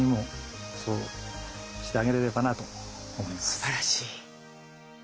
すばらしい！